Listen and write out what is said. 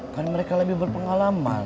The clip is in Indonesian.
kan mereka lebih berpengalaman